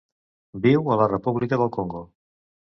Viu a la República del Congo.